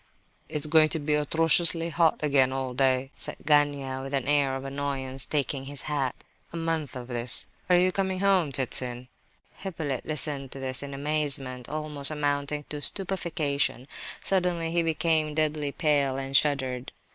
"It's going to be atrociously hot again all day," said Gania, with an air of annoyance, taking his hat. "A month of this... Are you coming home, Ptitsin?" Hippolyte listened to this in amazement, almost amounting to stupefaction. Suddenly he became deadly pale and shuddered.